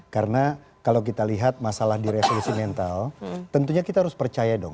karena kalau kita lihat masalah di revolusi mental tentunya kita harus percaya dong